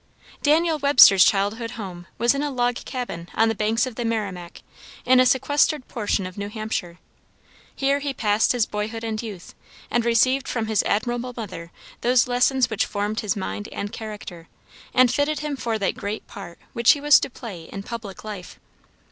Daniel Webster's childhood home was in a log cabin on the banks of the Merrimac, in a sequestered portion of New Hampshire. Here he passed his boyhood and youth, and received from his admirable mother those lessons which formed his mind and character, and fitted him for that great part which he was to play in public life.